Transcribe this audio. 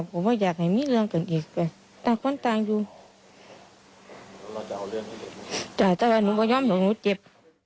จ่ะแต่ว่าหนูก็ยอมเห็นว่าหนูเจ็บ